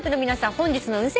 本日の運勢